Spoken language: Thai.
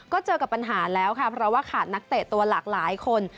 ก็เจอกับปัญหาแล้วค่ะเพราะว่าขาดนักเตะตัวหลากหลายคน